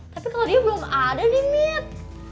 tapi kalo dia belum ada nih mit